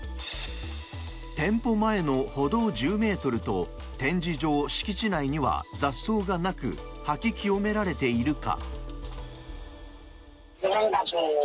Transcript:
店舗前の歩道１０ｍと展示場、敷地内には雑草がなく掃き清められているか？